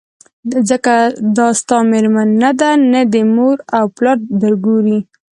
ځکه دا ستا مېرمن نه ده نه دي مور او پلار درګوري